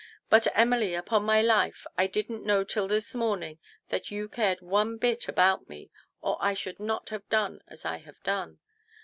But, Emily, upon my life I didn't know till this morning that you cared one bit about rne, or I should not have done as I have done.